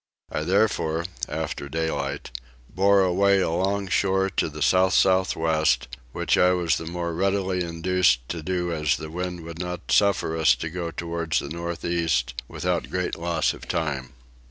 I therefore, after daylight, bore away alongshore to the south south west, which I was the more readily induced to do as the wind would not suffer us to go towards the north east without great loss of time.